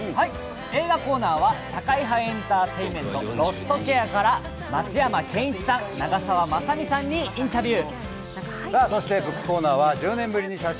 映画コーナーは社会派エンターテインメント「ロストケア」から松山ケンイチさん、長澤まさみさんにインタビュー。